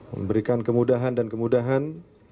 memberikan kemudahan dan kemudahan